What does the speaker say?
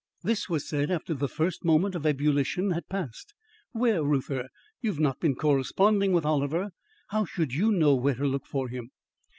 This was said after the first moment of ebullition had past. "Where, Reuther? You have not been corresponding with Oliver. How should you know where to look for him?"